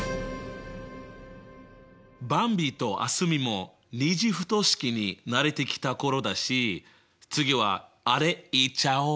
ばんびと蒼澄も２次不等式に慣れてきた頃だし次はあれいっちゃおう！